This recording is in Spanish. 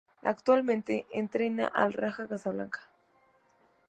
Actualmente entrena al Raja Casablanca.